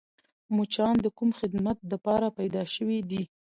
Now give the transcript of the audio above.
مچان د کوم خدمت دپاره پیدا شوي دي؟